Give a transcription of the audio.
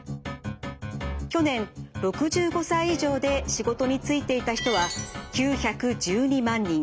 去年６５歳以上で仕事に就いていた人は９１２万人。